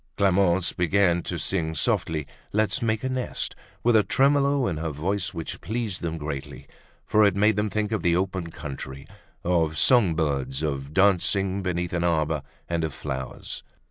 Clemence began to sing softly "Let's Make a Nest" with a tremolo in her voice which pleased them greatly for it made them think of the open country, of songbirds, of dancing beneath an arbor, and of flowers.